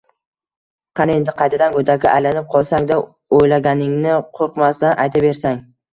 Qani endi, qaytadan go’dakka aylanib qolsang-da, o’ylaganingni qo’rqmasdan aytaversang.